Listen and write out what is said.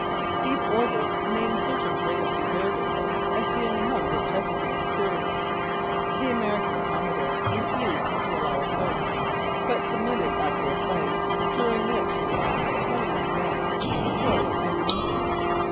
These orders named certain British deserters as being among the Chesapeake's crew. The American commodore refused to allow a search; but submitted after a fight, during which he lost twenty one men killed and wounded.